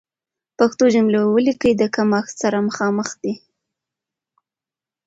پښتو جملې وليکئ، د کمښت سره مخامخ دي.